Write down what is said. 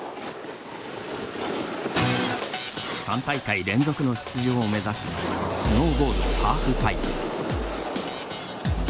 ３大会連続の出場を目指すスノーボード・ハーフパイプ。